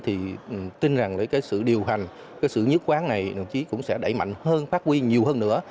tôi tin rằng sự điều hành sự nhức quán này đồng chí cũng sẽ đẩy mạnh hơn phát huy nhiều hơn nữa